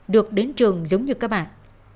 được đến trường giống như các bạn